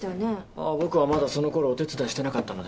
あっ僕はまだその頃お手伝いしてなかったので。